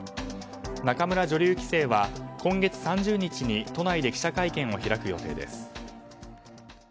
仲邑女流棋聖は今月３０日に都内で記者会見を開く予定です。